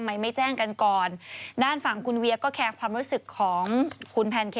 อือไม่แน่ใจแต่คิดว่าน่าจะเจ็นอย่างนั้น